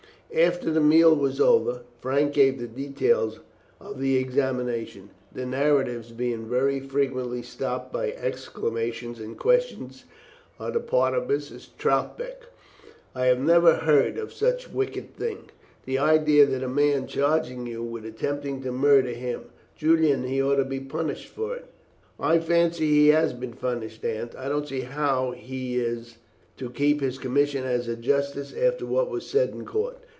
After the meal was over, Frank gave the details of the examination, the narrative being very frequently stopped by exclamations and questions on the part of Mrs. Troutbeck. "I have never heard of such a wicked thing. The idea of that man charging you with attempting to murder him! Julian, he ought to be punished for it." "I fancy he has been punished, Aunt. I don't see how he is to keep his commission as a justice after what was said in court.